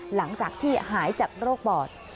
หลังจากที่หายจากโรคปอด